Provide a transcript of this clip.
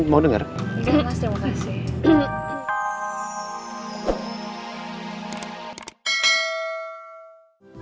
iya mas terima kasih